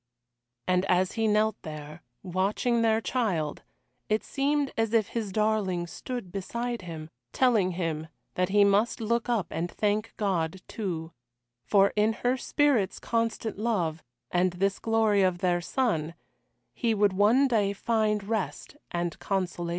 And as he knelt there, watching their child, it seemed as if his darling stood beside him, telling him that he must look up and thank God, too for in her spirit's constant love, and this glory of their son, he would one day find rest and consolation.